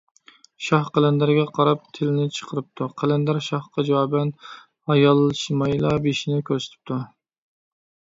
شاھ قەلەندەرگە قاراپ تىلىنى چىقىرىپتۇ، قەلەندەر شاھقا جاۋابەن ھايالشىمايلا بېشىنى كۆرسىتىپتۇ.